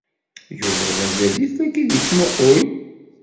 Yuba mazal-it la k-id-yettmuqqul.